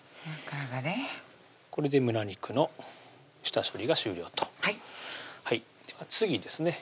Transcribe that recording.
これで胸肉の下処理が終了とでは次ですね